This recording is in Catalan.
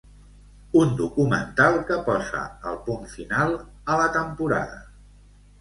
Un documental que posa el punt final a la temporada.